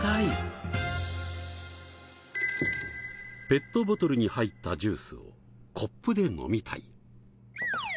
ペットボトルに入ったジュースをコップで飲みたい。